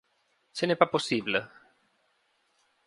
Ce n'est pas possible.